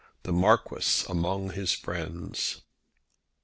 THE MARQUIS AMONG HIS FRIENDS.